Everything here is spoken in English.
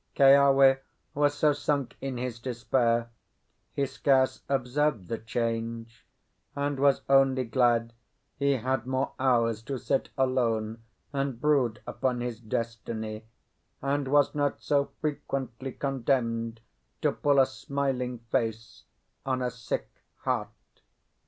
Keawe was so sunk in his despair, he scarce observed the change, and was only glad he had more hours to sit alone and brood upon his destiny, and was not so frequently condemned to pull a smiling face on a sick heart.